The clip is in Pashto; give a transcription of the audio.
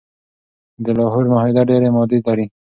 د لاهور معاهده ډیري مادي لري.